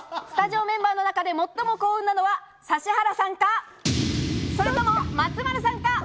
スタジオメンバーの中で最も幸運なのは指原さんか、それとも松丸さんか。